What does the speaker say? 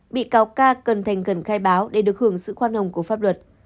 bị cáo ca cần thành gần khai báo để được hưởng sự khoan hồng của pháp luật